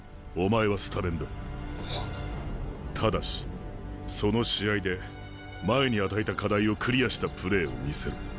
ただしその試合で前に与えた課題をクリアしたプレーを見せろ。